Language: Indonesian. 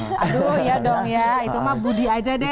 aduh ya dong ya itu mah budi aja deh